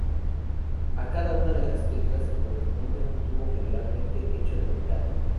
A cada una de las teclas le correspondía un tubo, generalmente, hecho de metal.